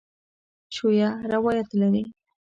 شیعه روایت لري.